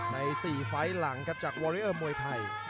ใน๔ไฟล์หลังครับจากวอริเออร์มวยไทย